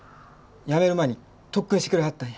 辞める前に特訓してくれはったんや。